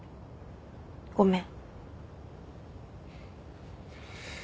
ごめん。